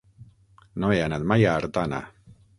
No he anat mai a Artana.